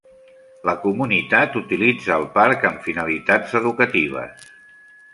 La comunitat utilitza el parc amb finalitats educatives.